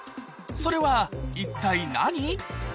それは一体何？